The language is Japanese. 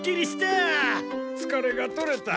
つかれが取れた。